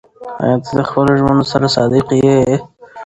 ایا ته د خپلو ژمنو سره صادق یې؟